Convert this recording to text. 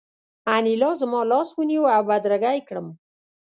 انیلا زما لاس ونیو او بدرګه یې کړم